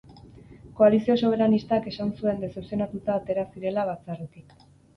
Koalizio soberanistak esan zuen dezepzionatuta atera zirela batzarretik.